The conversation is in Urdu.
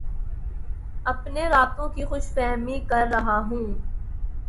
اپنے رابطوں کی خوش فہمی کررہا ہوں